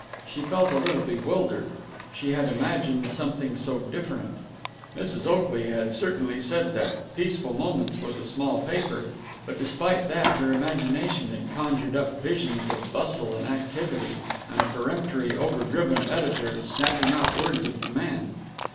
She felt a little bewildered. She had imagined something so different. Mrs. Oakley had certainly said that Peaceful Moments was a small paper, but despite that, her imagination had conjured up visions of bustle and activity, and a peremptory, overdriven editor, snapping out words of command.